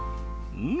うん！